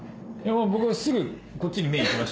僕もすぐこっちに目いきましたもんね。